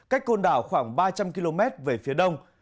cách côn đảo khoảng ba trăm linh km về phía đông